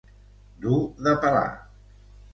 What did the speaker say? Dur de pelar.